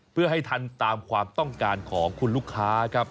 เพื่อให้ทันตามความต้องการของคุณลูกค้าครับ